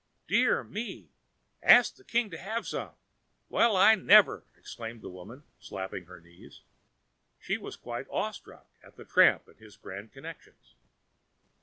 "Dear me! Ask the king to have some! Well, I never!" exclaimed the woman, slapping her knees. She was quite awestruck at the tramp and his grand connections.